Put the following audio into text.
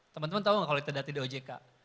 teman teman tahu enggak kalau kita dati di ojk